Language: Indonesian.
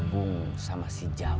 bukan saya pecat